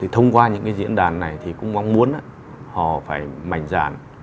thông qua những diễn đàn này thì cũng mong muốn họ phải mạnh dạn